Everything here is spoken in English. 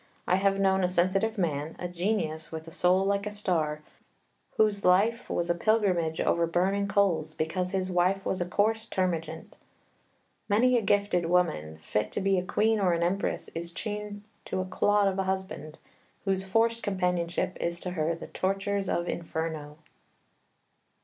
I have known a sensitive man, a genius with a soul like a star, whose life was a pilgrimage over burning coals, because his wife was a coarse termagant. Many a gifted woman, fit to be a queen or an empress, is chained to a clod of a husband, whose forced companionship is to her the tortures of Inferno."